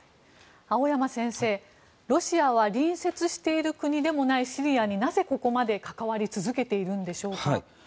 青山先生、ロシアは隣接している国でもないシリアになぜここまで関わり続けているんでしょうか。